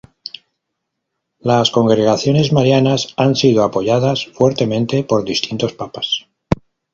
Las Congregaciones Marianas han sido apoyadas fuertemente por distintos Papas.